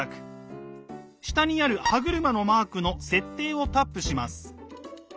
下にある歯車のマークの「設定」をタップします。